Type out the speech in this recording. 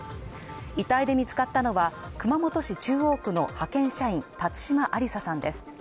遺体で見つかったのは熊本市中央区の派遣社員辰島ありささんです。